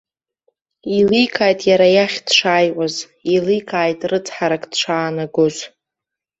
Иеиликааит иара иахь дшаауаз, иеиликааит рыцҳарак дшаанагоз.